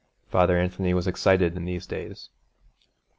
Father Anthony was excited in these days.